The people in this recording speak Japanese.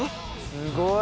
すごい。